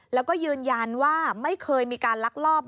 แล้วก็ยืนยันว่าไม่เคยมีการลักลอบ